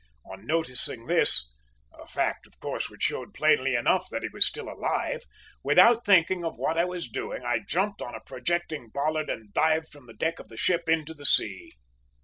"On noticing this a fact, of course, which showed plainly enough that he was still alive without thinking of what I was doing, I jumped on a projecting bollard and dived from the deck of the ship into the sea.